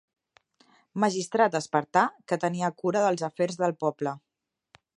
Magistrat espartà que tenia cura dels afers del poble.